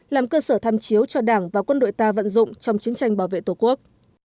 làm cơ sở tham chiếu cho đảng và quân đội ta vận dụng trong chiến tranh bảo vệ tổ quốc